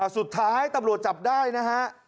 สุดท้ายตำรวจจับได้นะฮะ